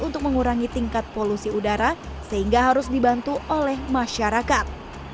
untuk mengurangi tingkat polusi udara sehingga harus dibantu oleh masyarakat